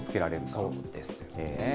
そうですね。